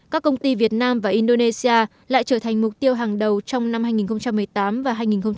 các công ty việt nam và indonesia lại trở thành mục tiêu hàng đầu trong năm hai nghìn một mươi tám và hai nghìn một mươi chín